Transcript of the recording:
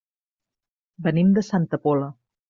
Venim de Santa Pola.